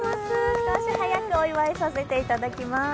一足早くお祝いさせていただきます。